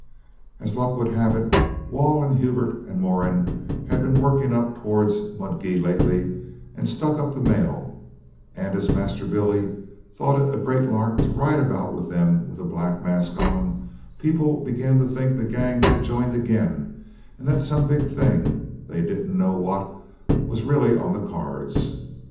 As luck would have it, Wall and Hulbert and Moran had been working up towards Mudgee lately and stuck up the mail, and as Master Billy thought it a great lark to ride about with them with a black mask on, people began to think the gangs had joined again and that some big thing, they didn't know what, was really on the cards.